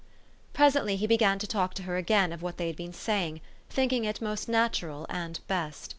Presently he began to talk to her again of what they had been saying, thinking it most natural and best.